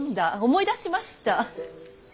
思い出しました。